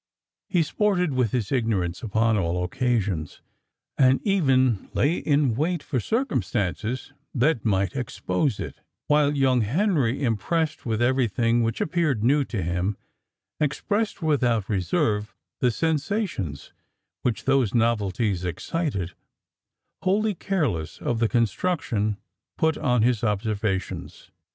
He sported with his ignorance upon all occasions, and even lay in wait for circumstances that might expose it; while young Henry, strongly impressed with everything which appeared new to him, expressed, without reserve, the sensations which those novelties excited, wholly careless of the construction put on his observations.